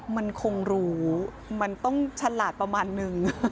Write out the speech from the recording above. มันคงรู้มันต้องฉลาดประมาณนึง